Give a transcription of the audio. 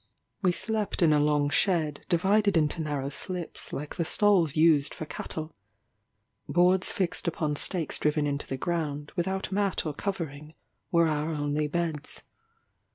We slept in a long shed, divided into narrow slips, like the stalls used for cattle. Boards fixed upon stakes driven into the ground, without mat or covering, were our only beds.